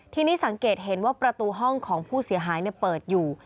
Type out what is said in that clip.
ทีนี้สังเกตเห็นว่าประตูห้องของผู้เสียหายเปิดอยู่